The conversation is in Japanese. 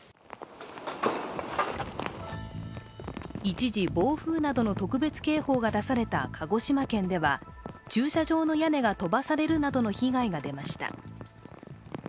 一時、暴風などの特別警報が出された鹿児島県では駐車場の屋根が飛ばされるなどの被害が出ました。